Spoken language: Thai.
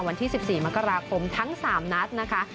วันที่๑๔มกราคมทั้ง๓นัดนะคะ